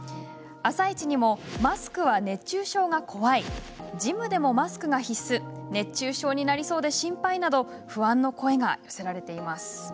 「あさイチ」にもマスクは熱中症が怖いジムでもマスクが必須熱中症になりそうで心配など不安の声が寄せられています。